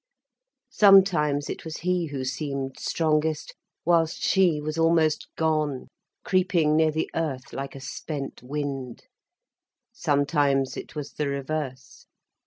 Sometimes it was he who seemed strongest, whist she was almost gone, creeping near the earth like a spent wind; sometimes it was the reverse.